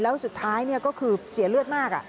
แล้วสุดท้ายก็คือเสียเลือดมาก